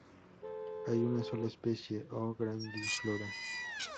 Hay una sola especie, "O. grandiflora".